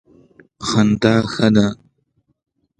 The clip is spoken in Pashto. خندا ښه ده.